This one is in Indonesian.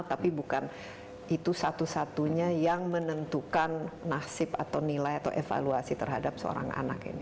tapi bukan itu satu satunya yang menentukan nasib atau nilai atau evaluasi terhadap seorang anak ini